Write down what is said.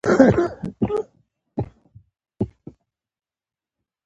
د هبل تلسکوپ مرسته یې کړې ده.